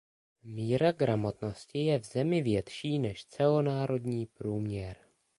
Míra gramotnosti je v zemi větší než celonárodní průměr.